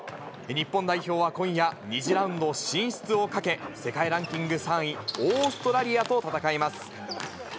日本代表は今夜、２次ラウンド進出をかけ、世界ランキング３位、オーストラリアと戦います。